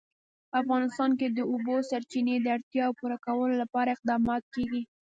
په افغانستان کې د د اوبو سرچینې د اړتیاوو پوره کولو لپاره اقدامات کېږي.